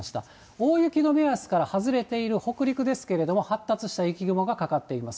大雪の目安から外れている北陸ですけれども、発達した雪雲がかかっています。